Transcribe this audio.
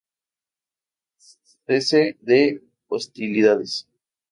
Cese de hostilidades.